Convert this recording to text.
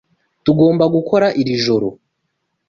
Tugomba gukora iri joro?